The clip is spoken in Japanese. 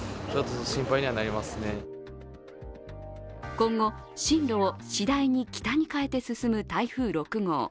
今後、進路を次第に北に変えて進む台風６号。